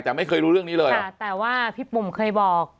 แต่ไม่เคยรู้เรื่องนี้เลยค่ะแต่ว่าพี่ปุ่มเคยบอก